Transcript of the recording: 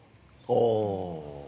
ああ。